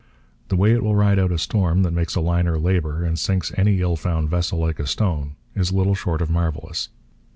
The way it will ride out a storm that makes a liner labour and sinks any ill found vessel like a stone is little short of marvellous.